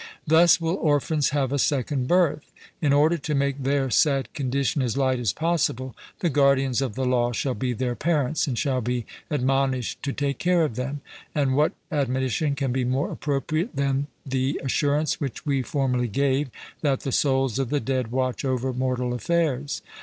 Thus will orphans have a second birth. In order to make their sad condition as light as possible, the guardians of the law shall be their parents, and shall be admonished to take care of them. And what admonition can be more appropriate than the assurance which we formerly gave, that the souls of the dead watch over mortal affairs?